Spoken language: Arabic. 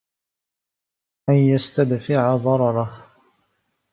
أَنْ يَسْتَدْفِعَ ضَرَرَهُ